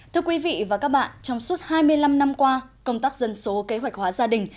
thưa quý vị và các bạn trong suốt hai mươi năm năm qua công tác dân số kế hoạch hóa gia đình